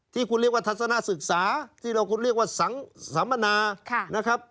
ที่คุณเรียกว่าทัศนาศึกษาที่เราคุณเรียกว่าสังสัมมนานะครับ